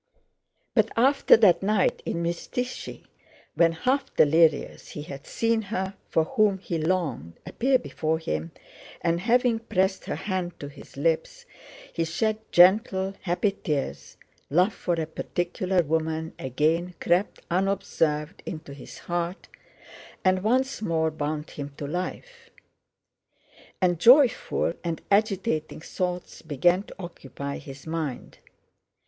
But after the night in Mytíshchi when, half delirious, he had seen her for whom he longed appear before him and, having pressed her hand to his lips, had shed gentle, happy tears, love for a particular woman again crept unobserved into his heart and once more bound him to life. And joyful and agitating thoughts began to occupy his mind.